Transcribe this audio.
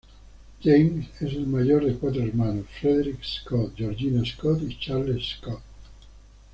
James es el mayor de cuatro hermanos: Frederick Scott, Georgina Scott y Charles Scott.